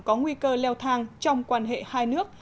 có nguy cơ leo thang trong quan hệ hai nước